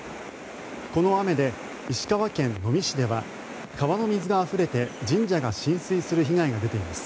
この雨で石川県能美市では川の水があふれて神社が浸水する被害が出ています。